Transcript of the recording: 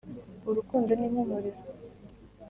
urukundo ni nk'umuriro,